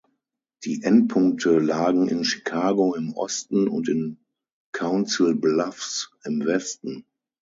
Die Endpunkte lagen in Chicago im Osten und in Council Bluffs im Westen.